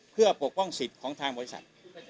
เพื่อปกป้องสิทธิ์ของทางบริษัท